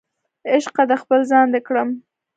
عشقه د خپل ځان دې کړم